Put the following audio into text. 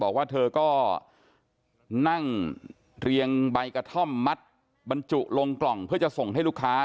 บอกว่าเธอก็นั่งเรียงใบกระท่อมมัดบรรจุลงกล่องเพื่อจะส่งให้ลูกค้า